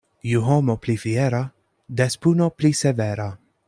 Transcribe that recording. Ju homo pli fiera, des puno pli severa.